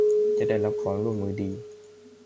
จะได้รับความร่วมมือดี